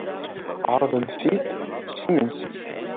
Ɛerḍen-ten-id s imensi.